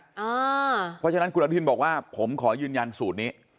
เพราะฉะนั้นคุณอนุทินบอกว่าผมขอยืนยันสูตรนี้